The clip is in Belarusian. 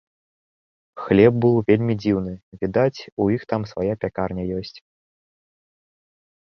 Хлеб быў вельмі дзіўны, відаць, у іх там свая пякарня ёсць.